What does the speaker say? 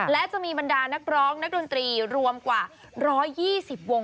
และจะมีบรรดานักร้องนักดนตรีรวมกว่า๑๒๐วง